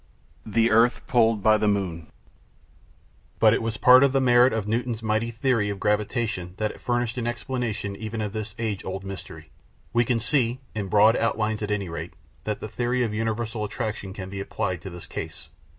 The Earth Pulled by the Moon But it was part of the merit of Newton's mighty theory of gravitation that it furnished an explanation even of this age old mystery. We can see, in broad outlines at any rate, that the theory of universal attraction can be applied to this case.